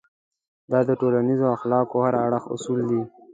دا د ټولنيزو اخلاقو هر اړخيز اصول دی.